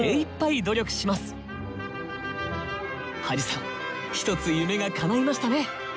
土師さん一つ夢がかないましたね！